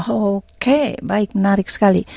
oke baik menarik sekali